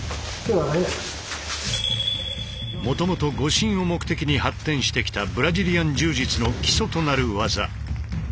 もともと護身を目的に発展してきたブラジリアン柔術の基礎となる技。